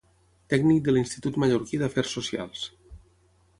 Tècnic de l'Institut Mallorquí d'Afers Socials.